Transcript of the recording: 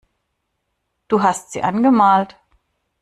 Du hast sie angemalt.